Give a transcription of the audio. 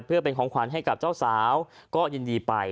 เพื่อเป็นของขวัญให้กับเจ้าสาวก็ยินดีไป